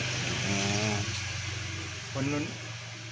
มันบอกโทรศัพท์ไม่มีเงินลุงมีโทร